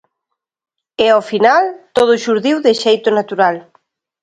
E ao final todo xurdiu de xeito natural.